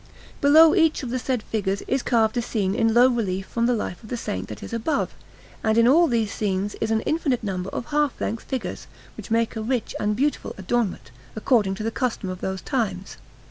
Below each of the said figures is carved a scene in low relief from the life of the Saint that is above; and in all these scenes is an infinite number of half length figures, which make a rich and beautiful adornment, according to the custom of those times.